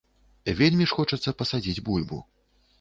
Вельмі ж хочацца пасадзіць бульбу.